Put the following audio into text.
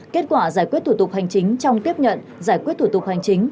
kết quả giải quyết thủ tục hành chính trong tiếp nhận giải quyết thủ tục hành chính